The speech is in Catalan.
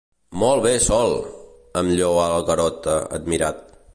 Molt bé, Sol! —em lloa el Garota, admirat.